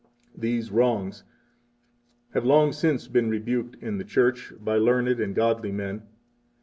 These wrongs have long since been rebuked in the Church 4 by learned and godly men.